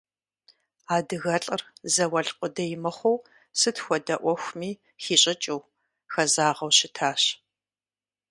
АдыгэлӀыр зауэлӏ къудей мыхъуу, сыт хуэдэ Ӏуэхуми хищӀыкӀыу, хэзагъэу щытащ.